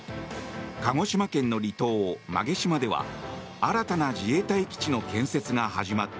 鹿児島県の離島・馬毛島では新たな自衛隊基地の建設が始まった。